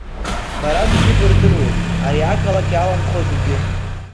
Бара зегьы бырдыруеит, ари ақалақь иаланхо зегьы.